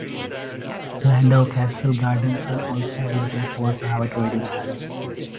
Llandough Castle Gardens are also available for private wedding hire.